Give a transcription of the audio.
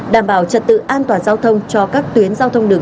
đảm bảo trật tự an toàn giao thông